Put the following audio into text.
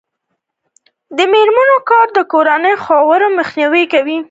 د میرمنو کار د کورنۍ خوارۍ مخنیوی کوي.